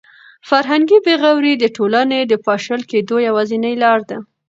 فرهنګي بې غوري د ټولنې د پاشل کېدو یوازینۍ لاره ده.